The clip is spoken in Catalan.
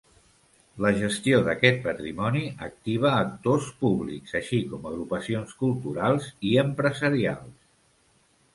La gestió d'aquest patrimoni activa actors públics així com agrupacions culturals i empresarials.